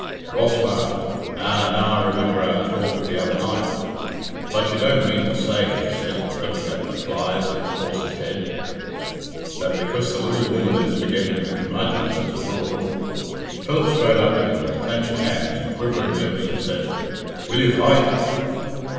Ross laughed. "Ah! now I remember our talk of the other night. But you don't mean to say," he said, flipping at the flies at the horse's head, "that because the little woman is forgetting the curmudgeon that's abroad " Philip strode up to him with clenched hands and quivering lips and said, "Will you fight?"